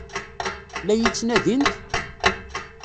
La iyi-ttnadint?